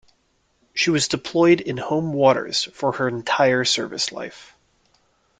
She was deployed in home waters for her entire service life.